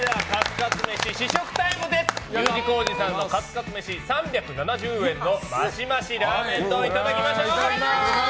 Ｕ字工事のカツカツ飯３７０円のマシマシラーメン丼をいただきましょう。